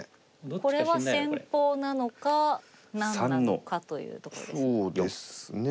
これは戦法なのか何なのかというとこですが。